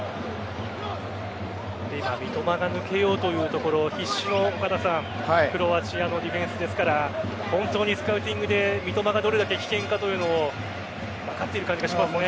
今、三笘が抜けようというところ必死のクロアチアのディフェンスですから本当にスカウティングで三笘がどれだけ危険かというのを分かっている感じがしますね。